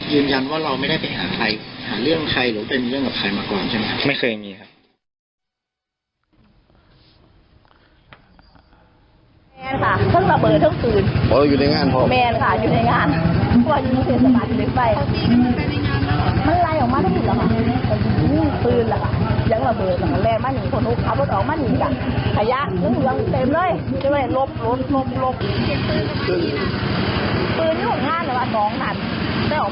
ยืนยันว่าเราไม่ได้ไปหาใครหาเรื่องใครหรือไปมีเรื่องกับใครมาก่อนใช่ไหมครับไม่เคยมีครับ